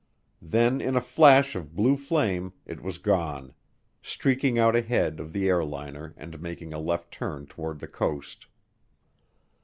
Then in a flash of blue flame it was gone streaking out ahead of the airliner and making a left turn toward the coast.